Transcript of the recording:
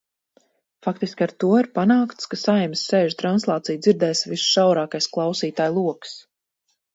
Faktiski ar to ir panākts, ka Saeimas sēžu translāciju dzirdēs visšaurākais klausītāju loks.